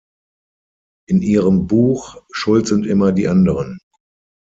In ihrem Buch "Schuld sind immer die anderen!